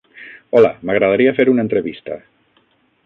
Hola, m'agradaria fer una entrevista.